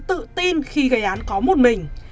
tự tin khi gây án có một mình